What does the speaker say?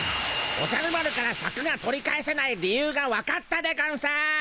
おじゃる丸からシャクが取り返せない理由がわかったでゴンス！